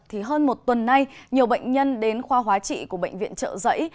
thì hơn một tuần nay nhiều bệnh nhân đến khoa hóa trị của bệnh viện trợ giấy